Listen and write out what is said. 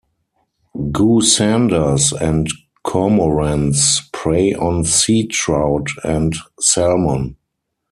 Goosanders and cormorants prey on sea trout and salmon.